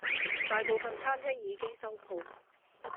大部份餐廳已經收舖